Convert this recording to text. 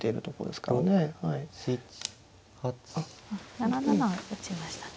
７七打ちましたね。